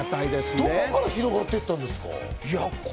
どこから広がっていったんですか？